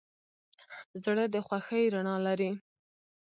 زړه د خوښۍ رڼا لري.